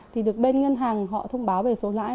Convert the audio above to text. thì được bên ngân hàng họ thông báo về số lãi